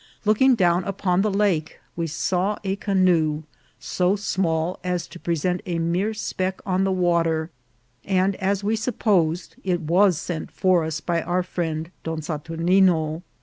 Looking down upon the lake we saw a canoe, so small as to present a mere speck on the water, and, as we supposed, it was sent for us by our friend Don Saturni ne.